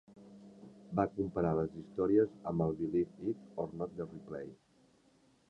Va comparar les històries amb el Believe It or Not de Ripley!